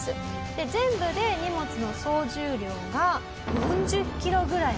で全部で荷物の総重量が４０キロぐらい。